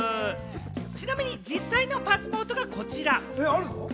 ちなみに実際のパスポートがこちら。